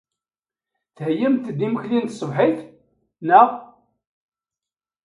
Theyyamt-d imekli n tṣebḥit, naɣ?